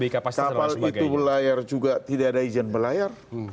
kapal itu berlayar juga tidak ada izin berlayar